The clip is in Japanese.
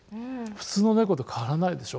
普通のネコと変わらないでしょ。